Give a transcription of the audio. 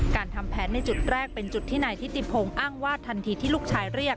การทำแผนในจุดแรกเป็นจุดที่นายทิติพงศ์อ้างว่าทันทีที่ลูกชายเรียก